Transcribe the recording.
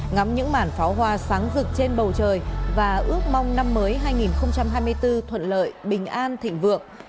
ngắm những màn pháo hoa sáng rực trên bầu trời và ước mong năm mới hai nghìn hai mươi bốn thuận lợi bình an thịnh vượng